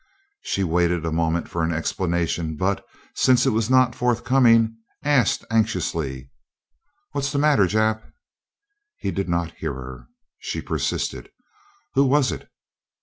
She waited a moment for an explanation but, since it was not forthcoming, asked anxiously: "What's the matter, Jap?" He did not hear her. She persisted: "Who was it?"